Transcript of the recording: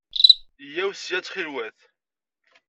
Yya-w ssya, ttxwil-wat.